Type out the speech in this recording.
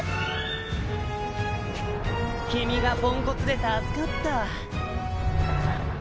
君がポンコツで助かった。